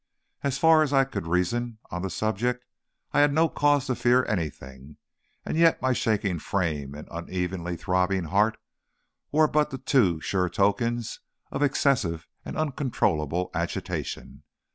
As far as I could reason on the subject, I had no cause to fear anything; and yet my shaking frame and unevenly throbbing heart were but the too sure tokens of an excessive and uncontrollable agitation.